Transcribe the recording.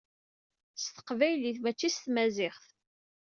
S teqbaylit, mačči s tmaziɣt.